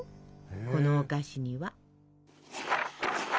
このお菓子には。